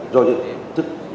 do những thức